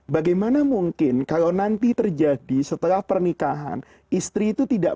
bagaimana mungkin kalau nanti terjadi setelah pernikahan istri itu tidak